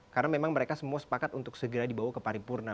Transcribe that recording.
karena memang mereka semua sepakat untuk segera dibawa ke pari purna